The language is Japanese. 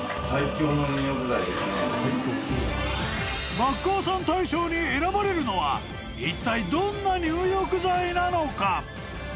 ［バッカーさん大賞に選ばれるのはいったいどんな入浴剤なのか？］